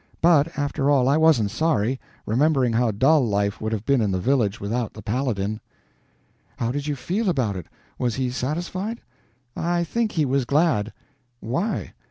But, after all, I wasn't sorry, remembering how dull life would have been in the village without the Paladin." "How did he feel about it? Was he satisfied?" "I think he was glad." "Why?"